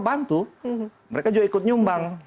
bantu mereka juga ikut nyumbang